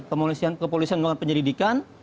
kepolisian melakukan penyelidikan